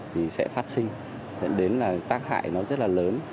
thì sẽ phát sinh dẫn đến là tác hại nó rất là lớn